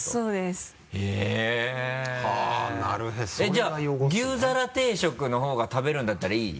じゃあ牛皿定食の方が食べるんだったらいい？